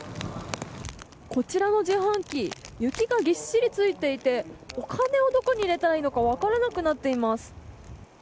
こちらの自販機雪がぎっしりついていてお金をどこに入れたらいいのか分からなくなっています。